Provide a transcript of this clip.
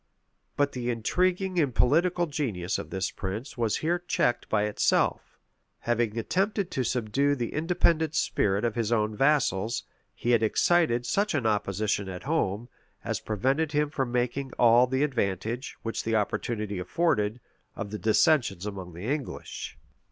But the intriguing and politic genius of this prince was here checked by itself: having attempted to subdue the independent spirit of his own vassals, he had excited such an opposition at home, as prevented him from making all the advantage, which the opportunity afforded, of the dissensions among the English.